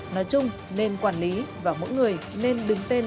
nói chung nên quản lý và mỗi người nên đứng tên